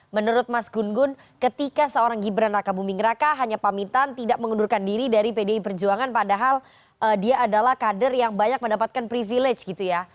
menurut mas gun gun ketika seorang gibran raka buming raka hanya pamitan tidak mengundurkan diri dari pdi perjuangan padahal dia adalah kader yang banyak mendapatkan privilege gitu ya